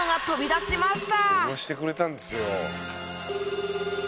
「電話してくれたんですよ」